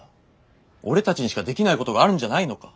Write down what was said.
俺たちにしかできないことがあるんじゃないのか？